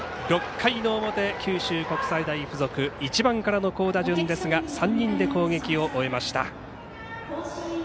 ６回の表、九州国際大付属１番からの好打順ですが３人で攻撃を終えました。